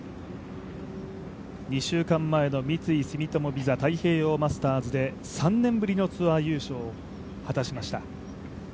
２週間前の三井住友ＶＩＳＡ太平洋マスターズで３年ぶりのツアー優勝を果たしました。